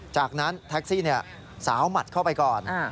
จากนั้นแท็กซี่สาวหมัดเข้าไปก่อน